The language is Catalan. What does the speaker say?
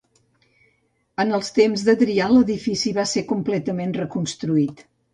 En els temps d'Adrià l'edifici va ser completament reconstruït.